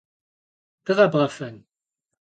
Дыкъэбгъэфэн?